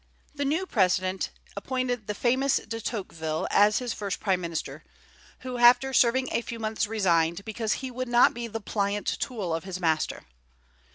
The new President appointed the famous De Tocqueville as his first prime minister, who after serving a few months resigned, because he would not be the pliant tool of his master.